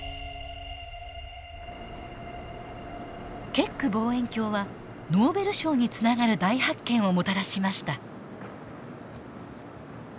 ケック望遠鏡はノーベル賞につながる大発見をもたらしました。